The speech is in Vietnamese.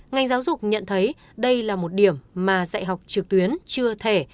ngành giáo dục nhận thấy đây là một điểm mà dạy học trực tuyến chưa thể